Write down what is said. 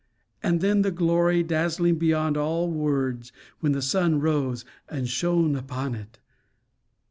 And then the glory, dazzling beyond all words, when the sun rose and shone upon it!